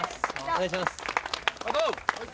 お願いします。